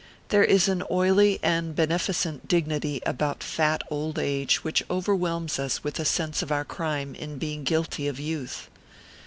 There is an oily and beneficent dignity about fat Old Age which overwhelms us with a sense of our crime in being guilty of youth.